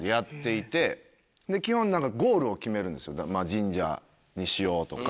神社にしようとか。